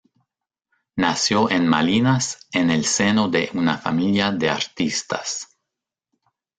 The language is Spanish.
Nació en Malinas en el seno de una familia de artistas.